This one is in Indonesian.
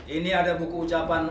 ini ada buku ucapan